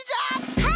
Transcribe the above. はい！